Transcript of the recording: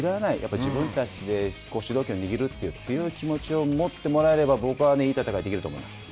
自分たちで主導権を握るという強い気持ちを持ってもらえれば、僕は、いい戦いができると思います。